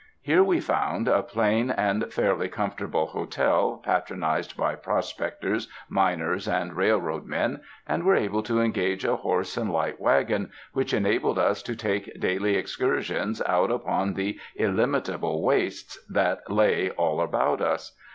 Here we found a plain and fairly comforta ble hotel patronized by prospectors, miners and railroad men, and were able to engage a horse and light wagon which enabled us to take daily ex cursions out upon the illimitable waste that lay all about us.